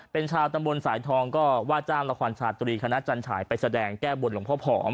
เป็นชาวตำบลสายทองก็ว่าจ้างละครชาตรีคณะจันฉายไปแสดงแก้บนหลวงพ่อผอม